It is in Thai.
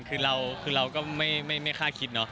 คือเราก็ไม่คาดคิดเนาะ